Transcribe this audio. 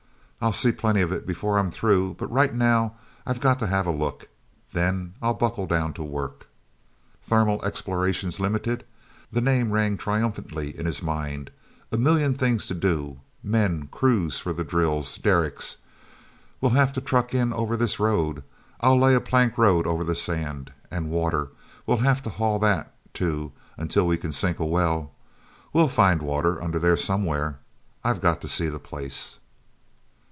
I'll see plenty of it before I'm through, but right now I've got to have a look; then I'll buckle down to work. "Thermal Explorations, Limited!" The name rang triumphantly in his mind. "A million things to do—men, crews for the drills, derricks.... We'll have to truck in over this road; I'll lay a plank road over the sand. And water—we'll have to haul that, too, until we can sink a well. We'll find water under there somewhere. I've got to see the place...."